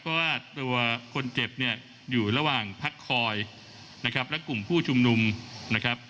เพราะว่าตัวคนเจ็บเนี่ยอยู่ระหว่างพักคอยนะครับและกลุ่มผู้ชุมนุมนะครับ